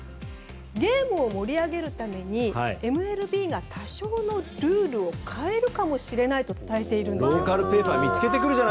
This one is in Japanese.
ゲームを盛り上げるためにＭＬＢが多少のルールを変えるかもしれないと伝えているんです。